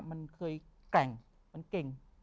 มันเคยแก่ง